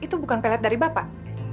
itu bukan pellet dari bapak